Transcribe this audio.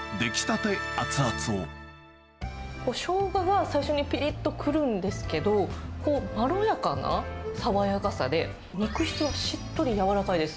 ショウガが最初にぴりっとくるんですけれども、まろやかな爽やかさで、肉質はしっとり柔らかいです。